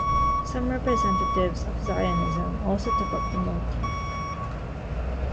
Some representatives of Zionism also took up the motif.